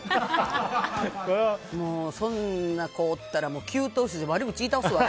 もう、そんな子おったら給湯室で悪口言い倒すわ。